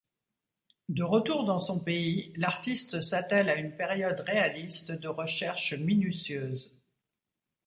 De retour dans son pays, l'artiste s'attèle à une période réaliste de recherche minutieuse.